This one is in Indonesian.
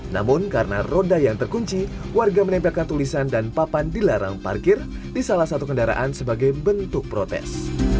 namun karena roda yang terkunci warga menempelkan tulisan dan papan dilarang parkir di salah satu kendaraan sebagai bentuk protes